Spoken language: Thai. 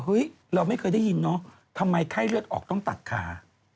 เราไม่เคยได้ยินเนอะทำไมไข้เลือดออกต้องตัดขา